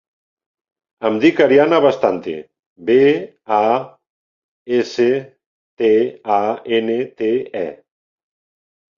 Em dic Ariana Bastante: be, a, essa, te, a, ena, te, e.